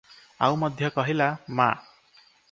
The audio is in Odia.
ଆଉ ମଧ୍ୟ କହିଲେ- "ମା!